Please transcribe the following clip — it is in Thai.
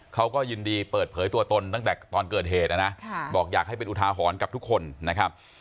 เขาก็ยินดีเปิดเผยตัวตนตั้งแต่ตอนเกิดเหตุนะนะบอกอยากให้เป็นอุทาหรณ์กับทุกคนนะครับ